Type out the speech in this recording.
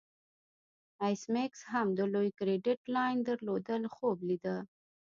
ایس میکس هم د لوی کریډیټ لاین درلودلو خوب لیده